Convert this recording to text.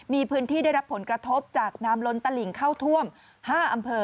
มีพื้นที่ได้รับผลกระทบจากน้ำล้นตลิ่งเข้าท่วม๕อำเภอ